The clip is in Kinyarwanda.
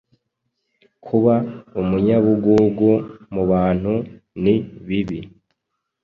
Kuba umunyabugugu mubantu ni bibi